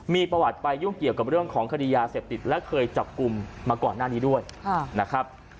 มีประวัติไปยุ่งเกี่ยวกับเรื่องของคดียาเสพติดและเคยจับกลุ่มมาก่อนหน้านี้ด้วยนะครับ